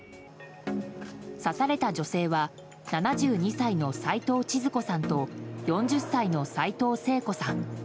刺された女性は７２歳の齊藤ちづ子さんと４０歳の齊藤聖子さん。